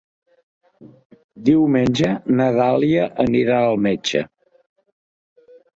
Diumenge na Dàlia anirà al metge.